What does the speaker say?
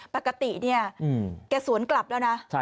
ปกติเนี่ยแกสวนกลับแล้วนะ